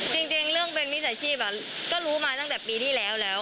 จริงเรื่องเป็นมิจฉาชีพก็รู้มาตั้งแต่ปีที่แล้วแล้ว